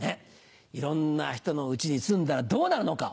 いろんな人の家に住んだらどうなるのか？